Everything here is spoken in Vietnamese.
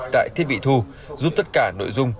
tại thiết bị thu giúp tất cả nội dung